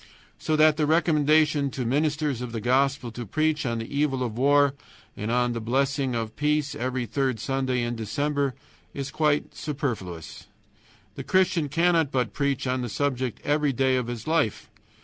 So that the recommendation to ministers of the Gospel to preach on the evil of war and the blessing of peace every third Sunday in December is quite superfluous. The Christian cannot but preach on that subject every day of his life.